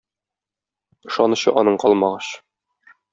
Ышанычы аның калмагач.